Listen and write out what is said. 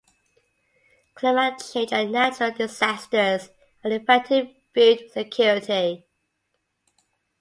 Climate change and natural disasters are affecting food security.